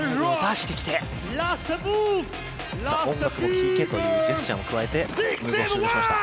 音楽も聴けというジェスチャーも加えてムーブを終了しました。